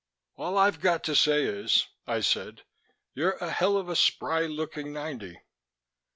"All I've got to say is," I said, "you're a hell of a spry looking ninety."